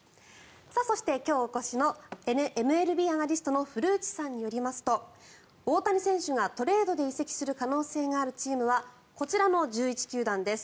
そして、今日お越しのＭＬＢアナリストの古内さんによりますと大谷選手がトレードで移籍する可能性があるチームはこちらの１１球団です。